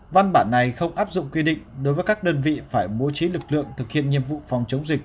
văn bản này không áp dụng quy định đối với các đơn vị phải bố trí lực lượng thực hiện nhiệm vụ phòng chống dịch